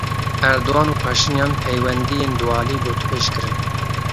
Erdogan û Paşinyan peywendiyên dualî gotûbêj kirin.